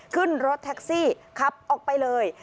ขึ้นรถแท็กซี่ขับออกไปเลย